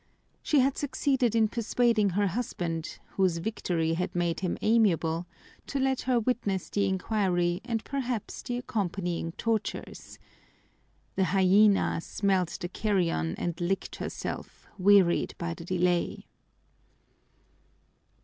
She had succeeded in persuading her husband, whose victory had made him amiable, to let her witness the inquiry and perhaps the accompanying tortures. The hyena smelt the carrion and licked herself, wearied by the delay.